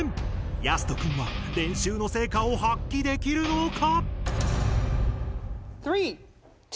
やすとくんは練習の成果を発揮できるのか？